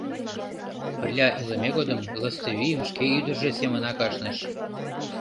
Пырля илыме годым Лыстывийым шке ӱдыржӧ семынак ашныш.